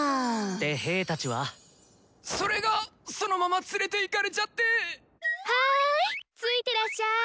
で兵たちは？それが！そのまま連れていかれちゃって！ハイついてらっしゃい。